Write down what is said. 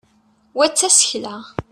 wa d tasekla